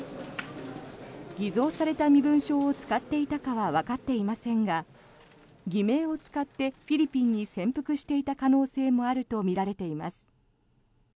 偽造された身分証を使っていたかはわかっていませんが偽名を使ってフィリピンに潜伏していた可能性もあるとみられています。